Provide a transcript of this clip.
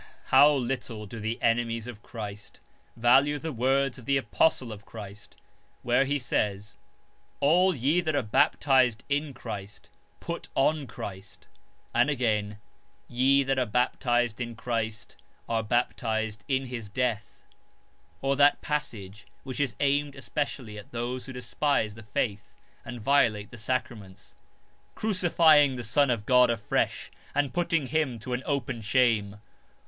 how little do the enemies of Christ value the words of the Apostle of Christ where he says :—" All ye that are baptised in Christ, put on Christ "; and 154 THE CHARACTER OF LEWIS again :" Ye that are baptised in Christ are baptised in His death "; or that passage which is aimed es pecially at those who despise the faith and violate the sacraments :Crucifying the Son of God afresh and putting Him to an open shame